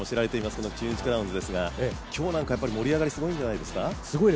この中日クラウンズですが今日なんか盛り上がりすごいんじゃないですか？